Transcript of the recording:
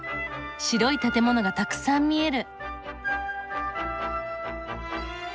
白い建物がたくさん見える。